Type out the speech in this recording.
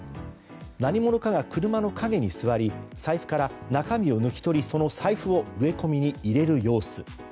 何者かが車の陰に座り財布から中身を抜き取り、その財布を植え込みに入れる様子。